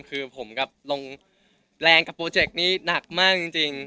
คือผมแปลงกับโปรเจ็กต์นี้หนักมากจริงจริง